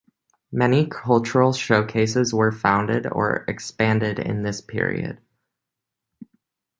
Many cultural showcases were founded or expanded in this period.